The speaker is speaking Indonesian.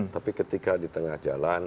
tapi ketika di tengah jalan